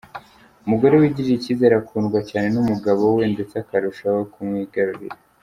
Umugore wigirira icyizere akundwa cyane n’umugabo we ndetse akarushaho kumwigarurira.